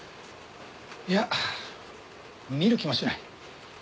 いや見る気もしない。